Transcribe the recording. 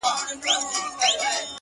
ریښتیني استازي دي